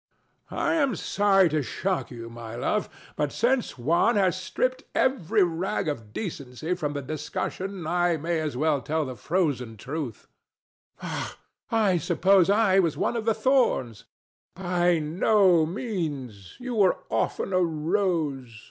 THE STATUE. I am sorry to shock you, my love; but since Juan has stripped every rag of decency from the discussion I may as well tell the frozen truth. ANA. Hmf! I suppose I was one of the thorns. THE STATUE. By no means: you were often a rose.